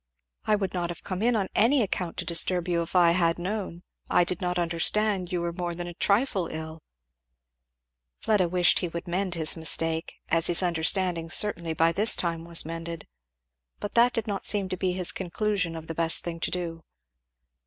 "I would not have come in on any account to disturb you if I had known I did not understand you were more than a trifle ill " Fleda wished he would mend his mistake, as his understanding certainly by this time was mended. But that did not seem to be his conclusion of the best thing to do.